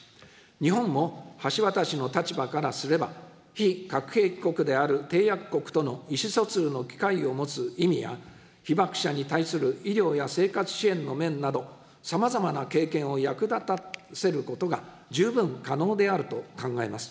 日本も橋渡しの立場からすれば、非核兵器国である締約国との意思疎通の機会を持つ意味や、被爆者に対する医療や生活支援の面など、さまざまな経験を役立たせることが十分可能であると考えます。